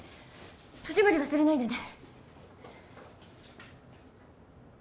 戸締まり忘れないでね